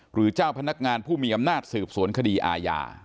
เจ้าพนักงานผู้มีอำนาจสืบสวนคดีอาญา